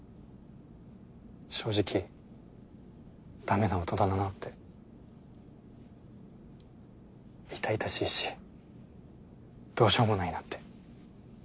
正直ダメな大人だなぁって痛々しいしどうしようもないなって